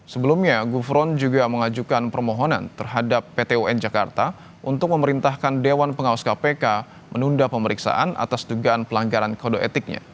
sebelumnya gufron juga mengajukan permohonan terhadap pt un jakarta untuk memerintahkan dewan pengawas kpk menunda pemeriksaan atas dugaan pelanggaran kode etiknya